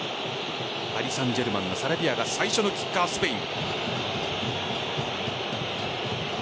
パリサンジェルマンのサラビアが最初のキッカー、スペイン。